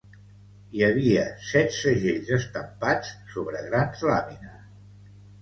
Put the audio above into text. Hi havia set segells estampats sobre grans làmines.